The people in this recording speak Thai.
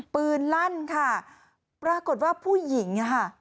ปืนลั่นค่ะปรากฏว่าผู้หญิง